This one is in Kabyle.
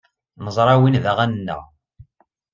Neẓra win d aɣan-nneɣ.